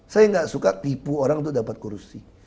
saya nggak suka tipu orang untuk dapat kursi